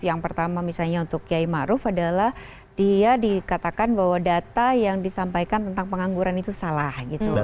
yang pertama misalnya untuk kiai ⁇ maruf ⁇ adalah dia dikatakan bahwa data yang disampaikan tentang pengangguran itu salah gitu